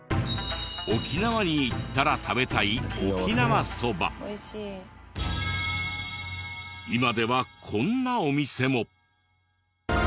沖縄に行ったら食べたい今ではこんなお店も。